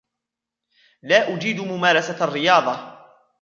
لا أجيد ممارسة الرياضة.